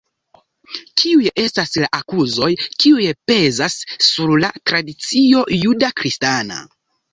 Kiuj estas la akuzoj kiuj pezas sur la tradicio juda kristana?